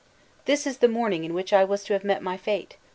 "This is the morning in which I was to have met my fate!"